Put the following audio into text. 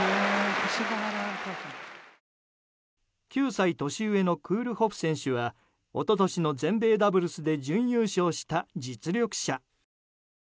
９歳年上のクールホフ選手は一昨年の全米ダブルスで準優勝した実力者。